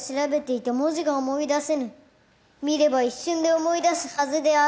見れば一瞬で思い出すはずであるのに。